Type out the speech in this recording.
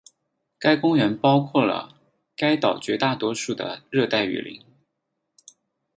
该公园包括了该岛绝大多数的热带雨林。